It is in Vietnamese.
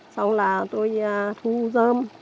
xong là tôi thu dơm